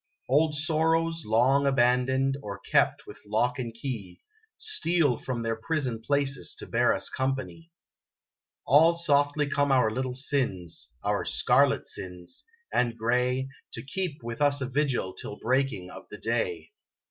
Old sorrows, long abandoned, or kept with lock and key, Steal from their prison places to bear us company. All softly come our little sins our scarlet sins and gray, To keep with us a vigil till breaking of the day.